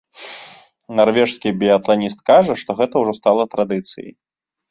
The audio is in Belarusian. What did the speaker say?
Нарвежскі біятланіст кажа, што гэта ўжо стала традыцыяй.